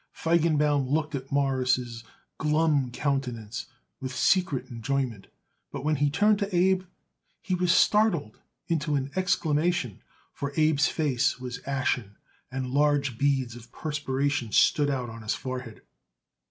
Feigenbaum looked at Morris' glum countenance with secret enjoyment, but when he turned to Abe he was startled into an exclamation, for Abe's face was ashen and large beads of perspiration stood out on his forehead.